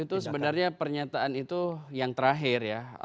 itu sebenarnya pernyataan itu yang terakhir ya